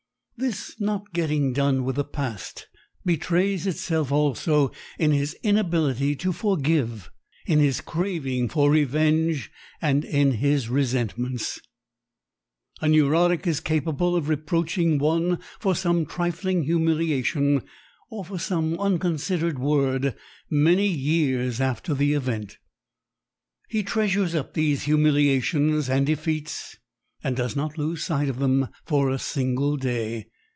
This not getting done with the past betrays itself also in his inability to forgive, in his craving for revenge and in his resentments. A neurotic is capable of reproaching one for some trifling humiliation or for some unconsidered word many years after the event. He treasures up these humiliations and defeats and does not lose sight of them for a single day.